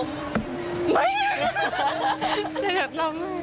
ไม่ใช่สะดุดลม